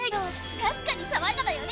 確かに爽やかだよね！